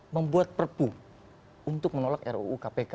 membuat perpu untuk menolak ruu kpk